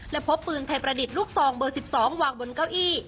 และพบปืนไทยประดิษฐ์ลูกซองเบอร์๑๒วางบนเก้าอี้